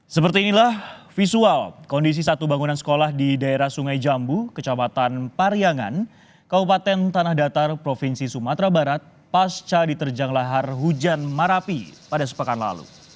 seperti inilah visual kondisi satu bangunan sekolah di daerah sungai jambu kecamatan pariangan kabupaten tanah datar provinsi sumatera barat pasca diterjang lahar hujan marapi pada sepekan lalu